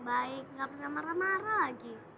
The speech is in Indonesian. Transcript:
baik nggak pernah marah marah lagi